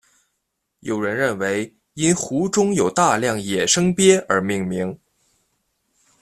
有人认为因湖中有大量野生鳖而命名。